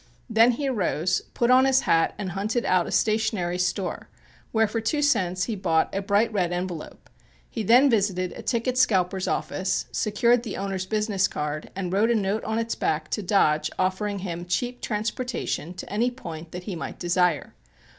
Then he arose, put on his hat and hunted out a stationery store where for two cents he bought a bright red envelope. He then visited a ticket scalper's office, secured the owner's business card and wrote a note on its back to Dodge offering him cheap transportation to any point that he might desire.